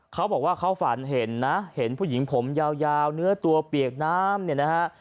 เขาบอกว่าเขาฝันเห็นนะเห็นผู้หญิงผมยาวเนื้อตัวเปียกน้ำเนี่ยนะฮะ